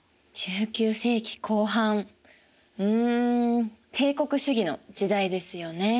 １９世紀後半うん帝国主義の時代ですよね。